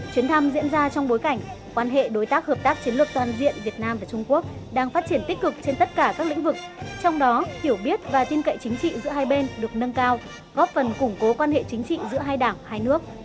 chuyến thăm diễn ra trong bối cảnh quan hệ đối tác hợp tác chiến lược toàn diện việt nam và trung quốc đang phát triển tích cực trên tất cả các lĩnh vực trong đó hiểu biết và tin cậy chính trị giữa hai bên được nâng cao góp phần củng cố quan hệ chính trị giữa hai đảng hai nước